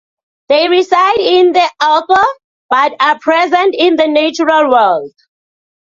They reside in the aether but are present in the natural world.